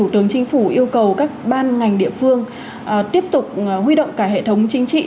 thủ yêu cầu các ban ngành địa phương tiếp tục huy động cả hệ thống chính trị